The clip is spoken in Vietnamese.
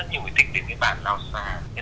rất nhiều người thích đến cái bàn lao sa